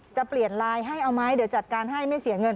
จะเปลี่ยนไลน์ให้เอาไหมเดี๋ยวจัดการให้ไม่เสียเงิน